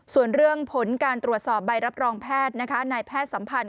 ส่วนเรื่องผลการตรวจสอบใบรับรองแพทย์นายแพทย์สัมพันธ์